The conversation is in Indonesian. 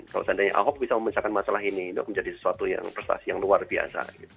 kalau seandainya ahok bisa menyelesaikan masalah ini dok menjadi sesuatu yang luar biasa